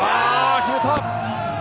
決めた！